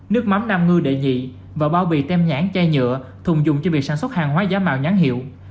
nước mắm nam ngư đệ nhị và bao bì tem nhãn chai nhựa thùng dùng cho việc sản xuất hàng hóa giá màu nhán hiệu